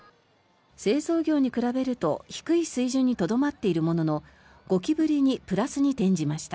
製造業に比べると低い水準にとどまっているものの５期ぶりにプラスに転じました。